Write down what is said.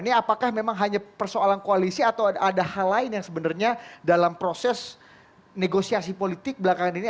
ini apakah memang hanya persoalan koalisi atau ada hal lain yang sebenarnya dalam proses negosiasi politik belakangan ini